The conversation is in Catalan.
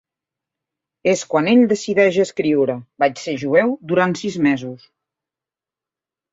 És quan ell decideix escriure: "Vaig ser jueu durant sis mesos".